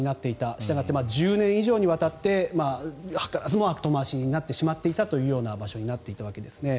したがって１０年以上にわたって図らずも後回しになってしまっていたという場所になっていたわけですね。